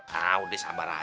nah udah sabar aja